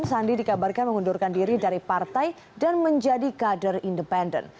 sandi dikabarkan mengundurkan diri dari partai dan menjadi kader independen